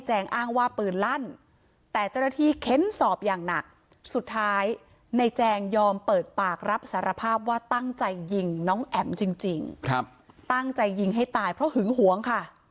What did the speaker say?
อ้างว่าปืนลั่นแต่เจ้าหน้าที่เค้นสอบอย่างหนักสุดท้ายในแจงยอมเปิดปากรับสารภาพว่าตั้งใจยิงน้องแอ๋มจริงตั้งใจยิงให้ตายเพราะหึงหวงค่ะ